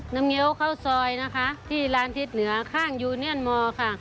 เงี้ยวข้าวซอยนะคะที่ร้านทิศเหนือข้างยูเนียนมอร์ค่ะ